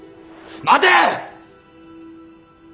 待て！